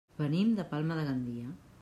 Venim de Palma de Gandia.